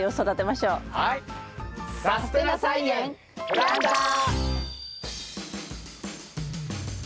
「さすてな菜園プランター」。